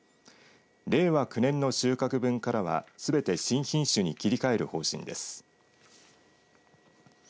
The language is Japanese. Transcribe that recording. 令和９年の収穫分からはすべて新品種に切り替える方針です。